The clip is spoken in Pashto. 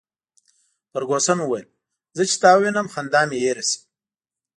فرګوسن وویل: زه چي تا ووینم، خندا مي هېره شي.